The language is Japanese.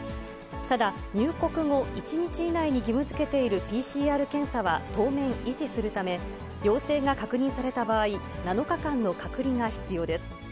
ただ、入国後１日以内に義務づけているＰＣＲ検査は当面維持するため、陽性が確認された場合、７日間の隔離が必要です。